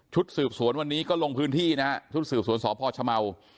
สืบสวนวันนี้ก็ลงพื้นที่นะฮะชุดสืบสวนสพชเมา